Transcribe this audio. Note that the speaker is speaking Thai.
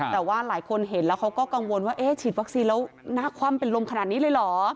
แต่ว่าหลายคนเห็นแล้วเขาก็กังวลว่าเอ๊ะฉีดวัคซีนแล้วหน้าคว่ำเป็นลมขนาดนี้เลยเหรอ